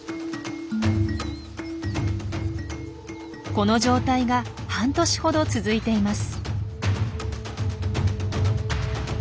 この状態が半年ほど続いています。